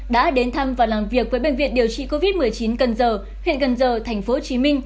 đã đến thăm và làm việc với bệnh viện điều trị covid một mươi chín cần giờ huyện cần giờ tp hcm